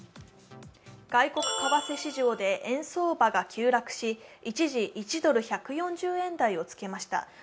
外国為替市場で円相場が急落し、一時１ドル＝１４０円台をつけました。